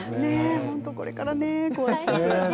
これからね。